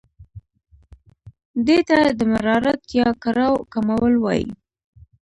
دې ته د مرارت یا کړاو کمول وايي.